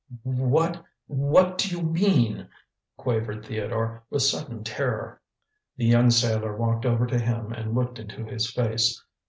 "What what do you mean?" quavered Theodore, with sudden terror. The young sailor walked over to him and looked into his face.